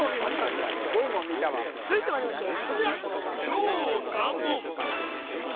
今いやすごいもん見たわ続いてまいりましょうこちら